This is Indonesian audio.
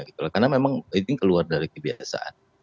karena memang itu keluar dari kebiasaan